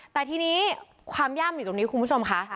แต่ทีนี้ความย่ำอยู่ตรงนี้คุณผู้ชมค่ะ